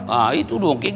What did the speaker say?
nah itu doang